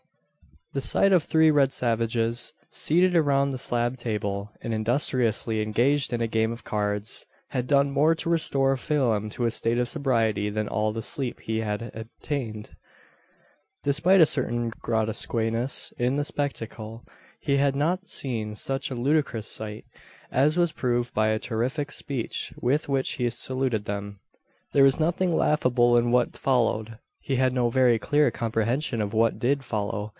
The sight of three red savages, seated around the slab table, and industriously engaged in a game of cards, had done more to restore Phelim to a state of sobriety than all the sleep he had obtained. Despite a certain grotesqueness in the spectacle, he had not seen such a ludicrous sight, as was proved by the terrific screech with which he saluted them. There was nothing laughable in what followed. He had no very clear comprehension of what did follow.